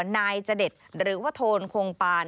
นายจเดชหรือว่าโทนคงปาน